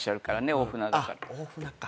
大船だから。